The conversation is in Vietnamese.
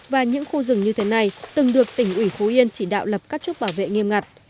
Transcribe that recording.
và những khu rừng như thế này từng được tỉnh ủy phú yên chỉ đạo lập các chốt bảo vệ nghiêm ngặt